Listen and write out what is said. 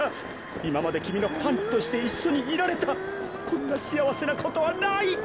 いままできみのパンツとしていっしょにいられたこんなしあわせなことはない！